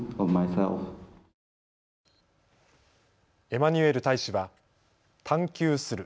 エマニュエル大使は探求する。